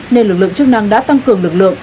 nên lực lượng chức năng đã tăng cường lực lượng